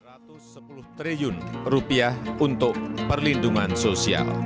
rp satu ratus sepuluh triliun rupiah untuk perlindungan sosial